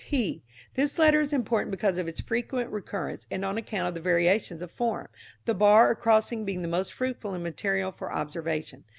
t. This letter is important because of its frequent recurrence, and on account of the variations of form, the bar or crossing being the most fruitful in material for observation.